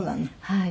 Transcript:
はい。